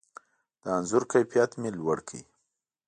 د انځور کیفیت مې لوړ کړ.